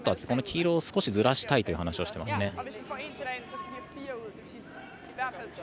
この黄色を少しずらしたいという話をしていますね。